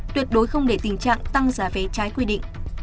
tuyệt đối không để tình trạng tăng giá vé trái quy định